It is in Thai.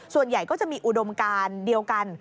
ส่วนใหญ่ก็จะมีอุดมการเดียวกัน